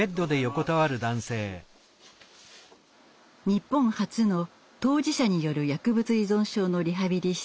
日本初の当事者による薬物依存症のリハビリ施設